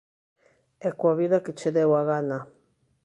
e coa vida que che deu a gana.